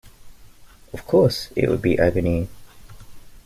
Of course, it will be agony.